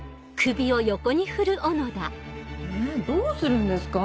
えどうするんですか？